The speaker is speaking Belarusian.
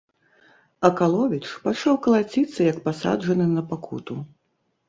Акаловіч пачаў калаціцца, як пасаджаны на пакуту.